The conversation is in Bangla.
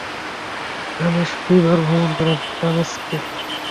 তিনি দামেস্ক দুইবার ভ্রমণ করেন।